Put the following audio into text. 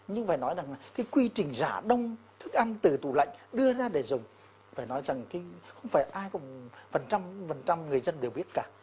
nhưng phải nói rằng là cái quy trình giả đông thức ăn từ tủ lạnh đưa ra để dùng phải nói rằng không phải ai cũng phần trăm phần trăm người dân đều biết cả